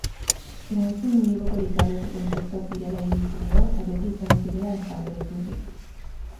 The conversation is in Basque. Erantzun unibokorik gabeko kontzeptuak direla iritzi dio eta beti izango direla eztabaida iturri.